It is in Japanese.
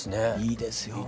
いいですよ。